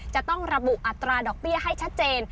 จะต้องระบุอัตราดอกเบี้ยให้ชัดเจน